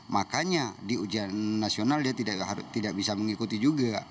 makanya di ujian nasional dia tidak bisa mengikuti juga